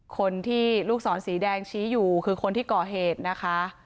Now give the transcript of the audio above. คนที่ลูกศรสีแดงชี้อยู่คือคนที่ก่อเหตุนะคะ